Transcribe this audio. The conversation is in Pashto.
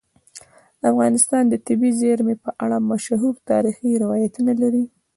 افغانستان د طبیعي زیرمې په اړه مشهور تاریخی روایتونه لري.